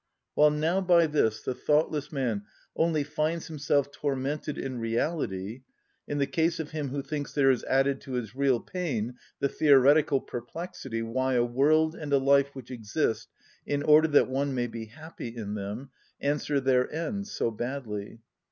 While now by this the thoughtless man only finds himself tormented in reality, in the case of him who thinks there is added to his real pain the theoretical perplexity why a world and a life which exist in order that one may be happy in them answer their end so badly.